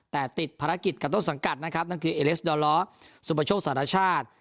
แต่ติดภารกิจกับต้นสังกัดนะครับนั่นคือเอเลสดอลล้อสุปโชคสารชาติ